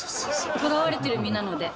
捕らわれてる身なので。